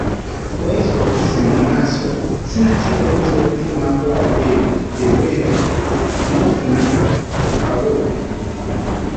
Weeyise otuzzi mu maaso sinakindi oyinza n’okufulumako ebweru n’ofuna ku kawewo.